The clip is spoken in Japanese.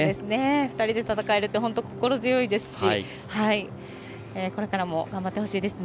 ２人で戦えるって本当に心強いですしこれからも頑張ってほしいですね。